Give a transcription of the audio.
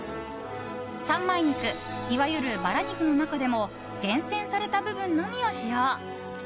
三枚肉、いわゆるバラ肉の中でも厳選された部分のみを使用。